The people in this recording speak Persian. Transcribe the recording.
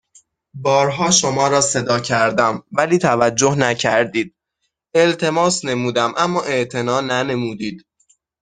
بارها شما را صدا کردم ولی توجه نكرديد التماس نمودم اما اعتنا ننموديد